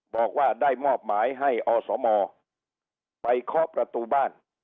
บอกว่าได้มอบหมายให้อสมไปเคาะประตูบ้าน